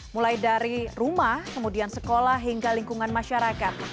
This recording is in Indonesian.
mulai dari rumah kemudian sekolah hingga lingkungan masyarakat